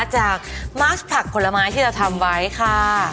จากมาร์ชผักผลไม้ที่เราทำไว้ค่ะ